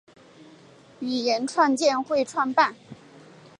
语言创建会议主办。